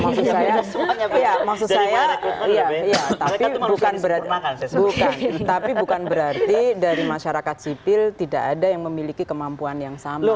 maksud saya tapi bukan berarti dari masyarakat sipil tidak ada yang memiliki kemampuan yang sama